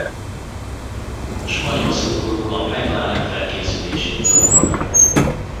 Spanyol szurkolók a McLaren felkészülését zavarták.